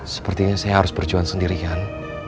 sepertinya saya harus berjuang sendirian